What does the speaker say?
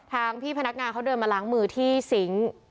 พี่พนักงานเขาเดินมาล้างมือที่ซิงค์